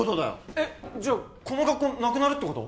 えっじゃあこの学校なくなるってこと？